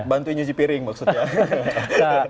bantuin nyuji piring maksudnya